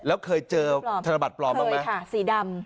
แล้วเคยเจอธนบัตรปลอมบ้างไหมสีดำ